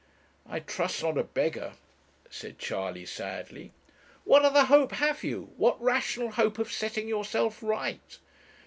'I trust not a beggar,' said Charley, sadly. 'What other hope have you? what rational hope of setting yourself right?'